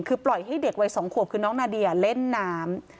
คือปล่อยให้เด็กวัย๒ขวบคือน้องนาเดียเล่นน้ำ